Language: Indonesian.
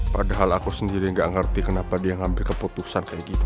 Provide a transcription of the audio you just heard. padahal aku sendiri gak ngerti kenapa dia ngambil keputusan kayak gitu